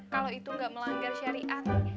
kalau itu nggak melanggar syariat